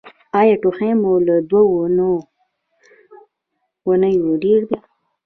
ایا ټوخی مو له دوه اونیو ډیر دی؟